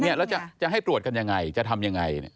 แล้วจะให้ตรวจกันยังไงจะทำยังไง